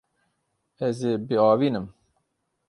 Ez ê biavînim.